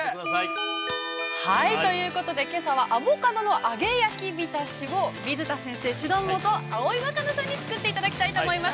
◆ということで、けさは、アボカドの揚げ焼きびたしを水田先生指導のもと、葵わかなさんに作っていただきたいと思います。